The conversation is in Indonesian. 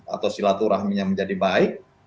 atau silaturahminya menjadi baik